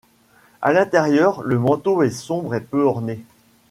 A l'intérieur, le manteau est sombre et peu orné.